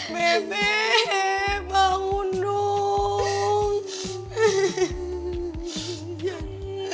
bebe bangun dong